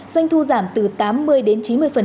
doanh thu giảm từ tám mươi đến chín mươi